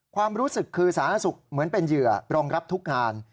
ความรู้สึกคือสาธารณสุขเหมือนเป็นเหยื่อรองรับทุกงาน